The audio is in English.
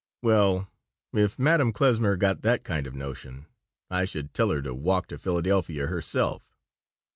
"Well, if Madame Klesmer got that kind of notion I should tell her to walk to Philadelphia herself."